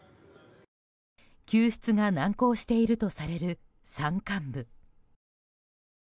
救出が難航しているとされる山間部。